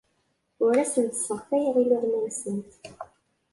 Ur asent-sseɣtayeɣ iluɣma-nsent.